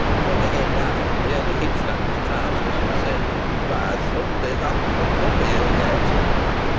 But the head navvy merely hitched up his trousers, and said, "Why, Soondays hain't cropt out here yet!"